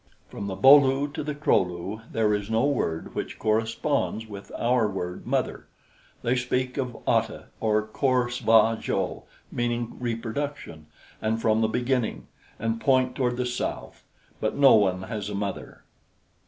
From the Bo lu to the Kro lu there is no word which corresponds with our word mother. They speak of ata and _cor sva jo:, meaning reproduction and from the beginning, and point toward the south; but no one has a mother.